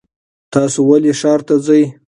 تاسو ولې ښار ته ځئ؟